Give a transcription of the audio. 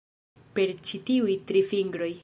Per ĉi tiuj tri fingroj.